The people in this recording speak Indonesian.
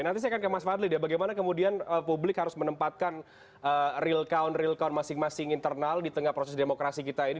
nanti saya akan ke mas fadli ya bagaimana kemudian publik harus menempatkan real count real count masing masing internal di tengah proses demokrasi kita ini